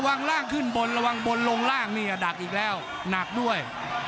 ร่างขึ้นบนระวังบนลงล่างนี่ดักอีกแล้วหนักด้วย